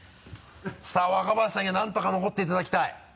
さぁ若林さんにはなんとか残っていただきたい。